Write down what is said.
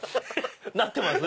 なってます？